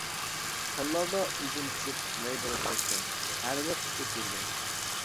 تاللاردا ئۈزۈم پىشىپ مەي بولۇپ كەتكەن، ھەرىلەر ئۇچۇپ يۈرگەن.